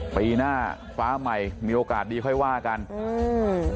ปีหน้าฟ้าใหม่มีโอกาสดีค่อยว่ากันอืม